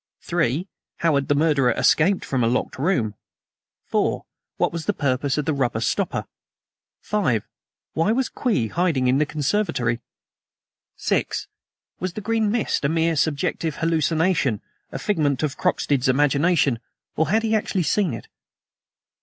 (3) How had the murderer escaped from a locked room? (4) What was the purpose of the rubber stopper? (5) Why was Kwee hiding in the conservatory? (6) Was the green mist a mere subjective hallucination a figment of Croxted's imagination or had he actually seen it?